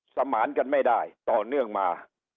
สมานกันไม่ได้ต่อเนื่องมา